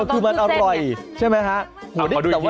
คือมันอร่อยใช่ไหมฮะ